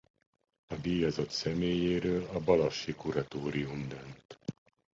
A díjazott személyéről a Balassi Kuratórium dönt.